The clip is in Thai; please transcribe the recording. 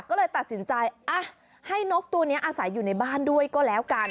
ก็เลยตัดสินใจให้นกตัวนี้อาศัยอยู่ในบ้านด้วยก็แล้วกัน